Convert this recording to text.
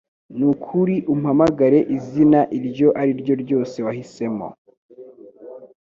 Nukuri, umpamagare izina iryo ari ryo ryose wahisemo -